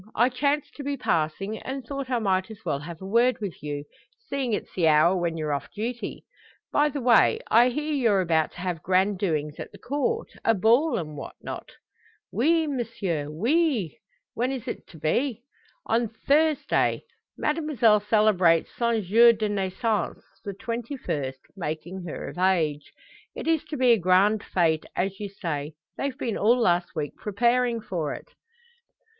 I chanced to be passing, and thought I might as well have a word with you seeing it's the hour when you're off duty. By the way, I hear you're about to have grand doings at the Court a ball, and what not?" "Oui, m'sieu; oui." "When is it to be?" "On Thursday. Mademoiselle celebrates son jour de naissance the twenty first, making her of age. It is to be a grand fete as you say. They've been all last week preparing for it."